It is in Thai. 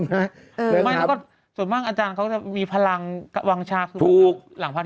ไม่แล้วก็ส่วนมากอาจารย์เขาก็จะมีพลังกระวังชาติถูกหลังพัฒนี